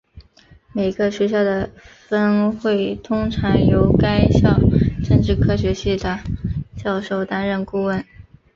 每个学校的分会通常由该校政治科学系的教授担任顾问。